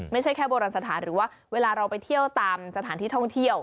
ไม่ใช่แค่โบราณสถานหรือว่าเวลาเราไปเที่ยวตามสถานที่ท่องเที่ยว